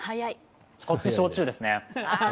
こっちは焼酎ですね。